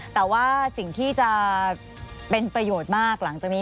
แต่ว่าสิ่งที่จะเป็นประโยชน์มากหลังจากนี้